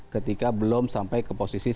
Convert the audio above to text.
ketika belum sampai ke posisi seperti itu